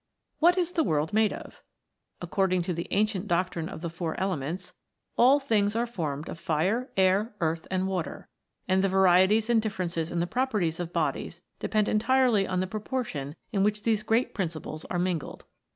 WHAT is the world made of? According to the ancient doctrine of the Four Elements, all things are formed of fire, air, earth, and water ; and the varieties and differences in the properties of bodies depend entirely on the proportion in which these great principles are mingled.